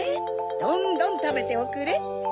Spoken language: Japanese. どんどんたべておくれ。